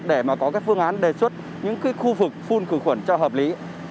để mà có các phương án đề xuất những khu vực phun khử khuẩn cho hợp lý